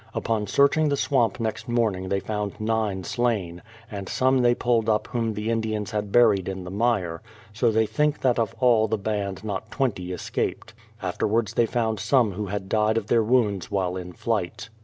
Upon searching the swamp next morning they found nine slain, and some they pulled up whom the Indians had buried in the mire ; so they think that of all the band not twenty escaped. After wards they found some who had died of their wounds while in flight.